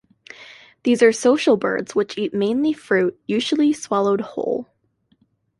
These are social birds which eat mainly fruit, usually swallowed whole.